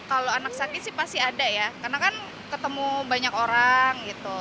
kalau anak sakit sih pasti ada ya karena kan ketemu banyak orang gitu